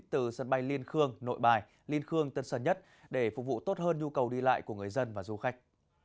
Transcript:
từ sân bay liên khương nội bài liên khương tân sân nhất để phục vụ tốt hơn nhu cầu đi lại của người dân và du khách